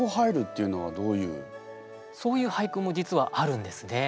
そういう俳句も実はあるんですね。